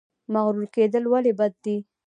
مغرور کیدل ولې بد دي؟